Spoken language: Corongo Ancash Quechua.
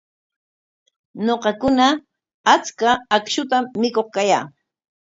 Ñuqakuna achka akshutam mikuq kayaa.